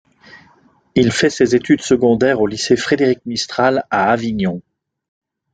Il fait ses études secondaires au lycée Frédéric-Mistral à Avignon.